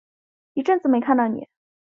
一阵子没看到妳